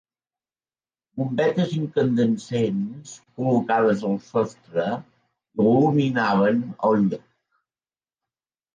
Bombetes incandescents col·locades al sostre il·luminaven el lloc.